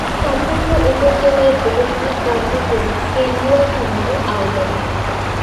সম্পূর্ণ উপজেলার প্রশাসনিক কার্যক্রম কেন্দুয়া থানার আওতাধীন।